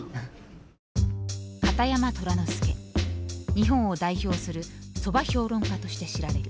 日本を代表する蕎麦評論家として知られる。